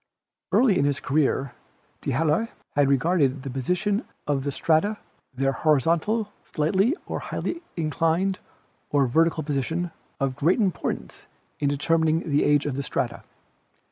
Early in his career D'Halloy had regarded the position of the strata, their horizontal, slightly or highly inclined, or vertical position, of great importance in determining the age of the strata.